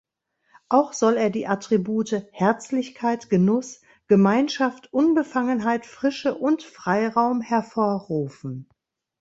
Auch soll er die Attribute Herzlichkeit, Genuss, Gemeinschaft, Unbefangenheit, Frische und Freiraum hervorrufen.